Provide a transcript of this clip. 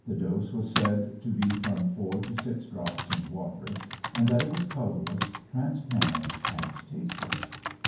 The dose was said to be from four to six drops in water, and that it was colourless, transparent and tasteless.